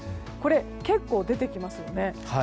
これ、結構出てきますよね。